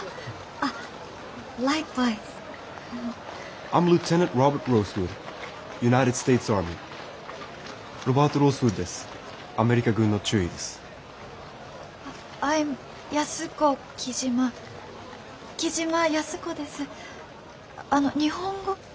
あの日本語。